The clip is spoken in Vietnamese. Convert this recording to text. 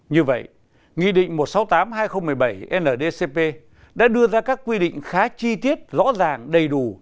như vậy nghị định một trăm sáu mươi tám hai nghìn một mươi bảy ndcp đã đưa ra các quy định khá chi tiết rõ ràng đầy đủ